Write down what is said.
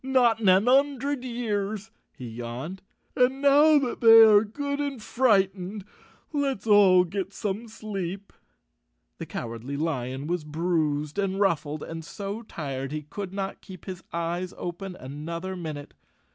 " Not in an 'un dred years," he yawned. "And now that they are good and frightened let's all get some sleep." The Cowardly Lion was bruised and ruffled, and so tired he could not keep his eyes open another minute.